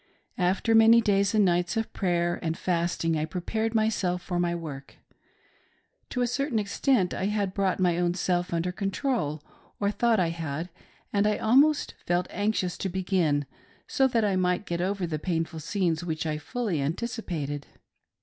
After many days and nights of prayer and fasting I prepared myself for my work. To a certain extent I had brought my own self under control, or I thought I had, and I almost felt anxious to begin, so that I might get over the painful scenes which I fully anticipated.